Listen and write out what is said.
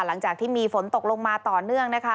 หลังจากที่มีฝนตกลงมาต่อเนื่องนะคะ